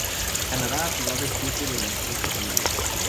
Canadá ha jugado siete de las ocho finales.